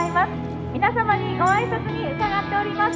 皆様にご挨拶に伺っております」。